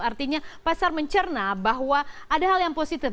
artinya pasar mencerna bahwa ada hal yang positif